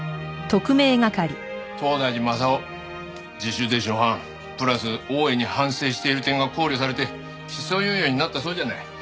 東大寺雅夫自首で初犯プラス大いに反省している点が考慮されて起訴猶予になったそうじゃない。